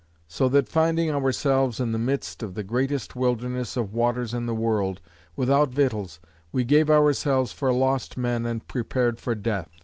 So that finding ourselves, in the midst of the greatest wilderness of waters in the world, without victuals, we gave ourselves for lost men and prepared for death.